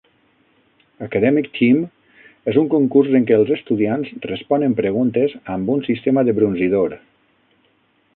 Academic Team és un concurs en què els estudiants responen preguntes amb un sistema de brunzidor.